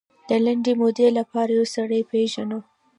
د لنډې مودې لپاره یو سړی پېژنو.